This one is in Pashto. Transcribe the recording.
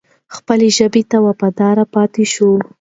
خپلې ژبې ته وفادار پاتې شو.